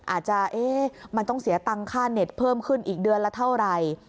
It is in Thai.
อาจจะมันต้องเสียตังค่าเน็ตเพิ่มขึ้นอีกเดือนละเท่าไหร่